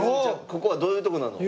ここはどういうとこなの？